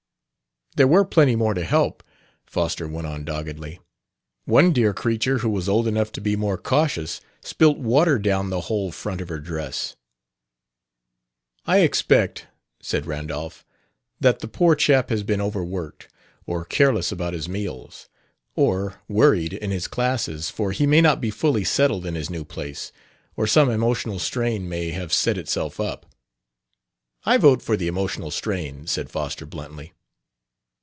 "There were plenty more to help," Foster went on doggedly. "One dear creature, who was old enough to be more cautious, spilt water down the whole front of her dress " "I expect," said Randolph, "that the poor chap has been overworked; or careless about his meals; or worried in his classes for he may not be fully settled in his new place; or some emotional strain may have set itself up " "I vote for the emotional strain," said Foster bluntly.